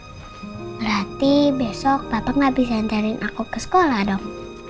berarti besok bapak gak bisa ngantarin aku ke sekolah dong